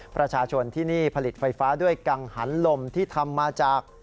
ประชาชนที่นี่ผลิตไฟฟ้าด้วยกังหันลมที่ทำมาจาก